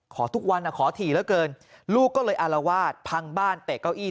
ขอทุกวันขอถี่เหลือเกินลูกก็เลยอารวาสพังบ้านเตะเก้าอี้